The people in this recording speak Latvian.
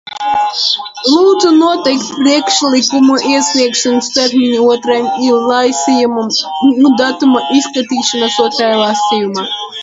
Lūdzu noteikt priekšlikumu iesniegšanas termiņu otrajam lasījumam un datumu izskatīšanai otrajā lasījumā!